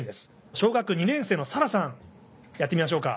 小学２年生のさらさんやってみましょうか。